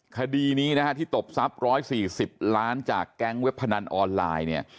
คดีนี้นะฮะที่ตบทรัพย์๑๔๐ล้านจากแก๊งเว็บพนันออนไลน์เนี่ย